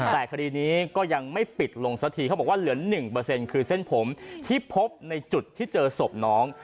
แต่คดีนี้ก็ยังไม่ปิดลงสักทีเขาบอกว่าเหลือ๑คือเส้นผมที่พบในจุดที่เจอศพน้อง